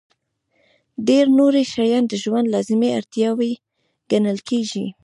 ډېر نور شیان د ژوند لازمي اړتیاوې ګڼل کېږي.